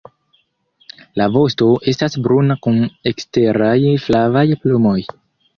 La vosto estas bruna kun eksteraj flavaj plumoj.